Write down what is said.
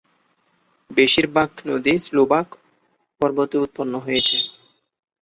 বেশিরভাগ নদী স্লোভাক পর্বতে উৎপন্ন হয়েছে।